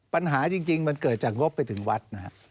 ปัญหาจริงมันเกิดจากงบไปถึงวัดนะฮะ